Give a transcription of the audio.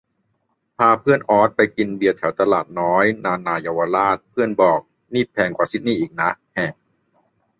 พาเพื่อนออสไปกินเบียร์แถวตลาดน้อย นานาเยาวราช เพื่อนบอก นี่แพงกว่าซิดนีย์อีกนะ แหะ